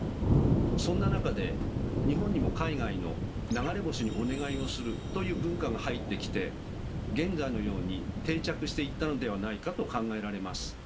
そんな中で日本にも海外の「流れ星にお願いをする」という文化が入ってきて現在のように定着していったのではないかと考えられます。